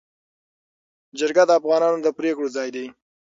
جرګه د افغانانو د پرېکړو ځای دی.